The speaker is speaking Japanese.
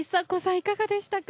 いかがでしたか？